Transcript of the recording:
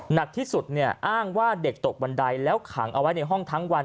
หนักที่สุดเนี่ยอ้างว่าเด็กตกบันไดแล้วขังเอาไว้ในห้องทั้งวัน